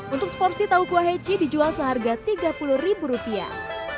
untuk seporsi tahu kuah heci dijual seharga tiga puluh ribu rupiah